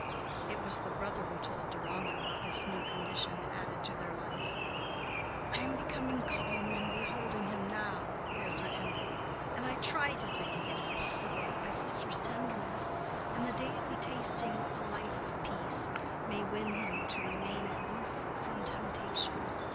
It was the brother who told Deronda of this new condition added to their life. "I am become calm in beholding him now," Ezra ended, "and I try to think it possible that my sister's tenderness, and the daily tasting a life of peace, may win him to remain aloof from temptation.